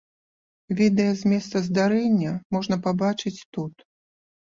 Відэа з месца здарэння можна пабачыць тут.